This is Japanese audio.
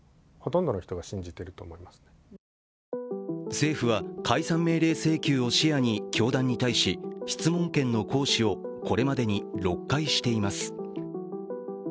政府は解散命令請求を視野に教団に対し質問権の行使をこれまでに６回しています。